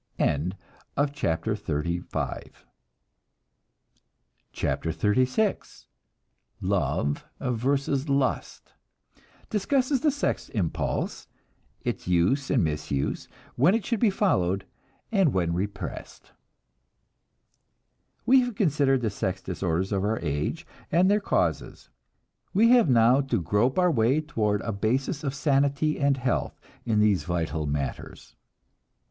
CHAPTER XXXVI LOVE VERSUS LUST (Discusses the sex impulse, its use and misuse; when it should be followed and when repressed.) We have considered the sex disorders of our age and their causes. We have now to grope our way towards a basis of sanity and health in these vital matters.